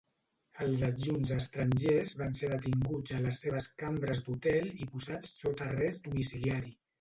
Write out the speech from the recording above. Els adjunts estrangers van ser detinguts a les seves cambres d'hotel i posats sota arrest domiciliari.